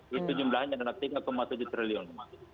itu jumlahnya adalah tiga tujuh triliun